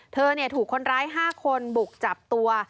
เธอถูกคนร้าย๕คนบุกจับตัว